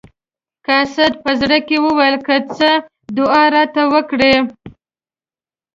قاصد په زړه کې وویل که څه دعا راته وکړي.